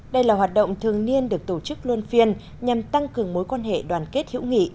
đây là hoạt động thường niên được tổ chức luôn phiên nhằm tăng cường mối quan hệ đoàn kết hữu nghị